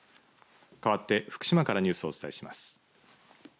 かわって福島からニュースをお伝えします。